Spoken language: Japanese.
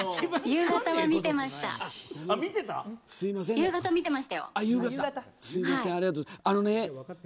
夕方は見てました。